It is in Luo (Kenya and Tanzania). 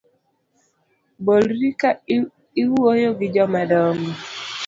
Bolri ka iwuoyo gi jomadong’o